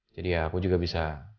jadi ya aku juga bisa